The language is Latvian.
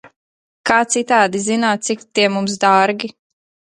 Kā citādi zinātu, cik tie mums dārgi?